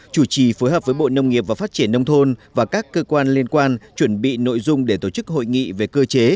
chủ trì phối hợp với bộ nông nghiệp và phát triển nông thôn và các cơ quan liên quan chuẩn bị nội dung để tổ chức hội nghị về cơ chế